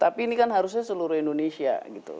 tapi ini kan harusnya seluruh indonesia gitu